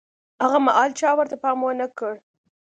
هاغه مهال چا ورته پام ونه کړ.